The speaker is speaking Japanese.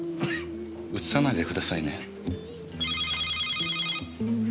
うつさないでくださいね。